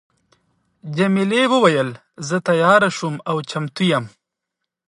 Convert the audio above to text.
جميلې وويل: زه تیاره شوم او چمتو یم.